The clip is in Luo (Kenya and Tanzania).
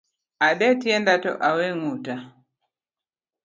Ade tienda to awe nguta